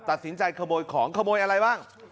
ตัดสินใจขโมยของขโมยอะไรบ้าง